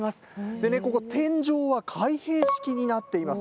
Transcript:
で、ここ天井は開閉式になっています。